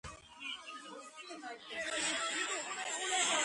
დაკრძალულია სულეიმანის მეჩეთში, სტამბოლში.